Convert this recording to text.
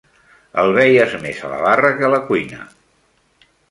El veies més a la barra que a la cuina.